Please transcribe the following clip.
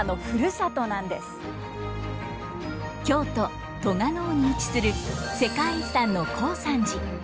京都・栂尾に位置する世界遺産の高山寺。